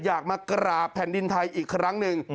อยากมากราบแผ่นดินไทยอีกครั้งหนึ่ง